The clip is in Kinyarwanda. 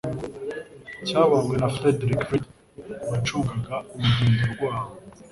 cyabonywe na Frederick Fleet wacungaga urugendo rwabwo